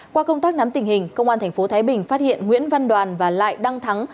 qua công tác nắm tình hình công an tp thái bình phát hiện nguyễn văn đoàn và lại đăng thắng